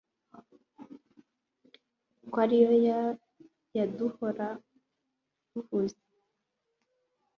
Kwariyo ya ya duhora duhuza